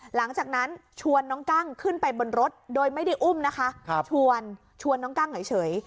หลังจากนั้นชวนน้องกั้งขึ้นไปบนรถโดยไม่ได้อุ้มนะคะชวนชวนน้องกั้งเฉย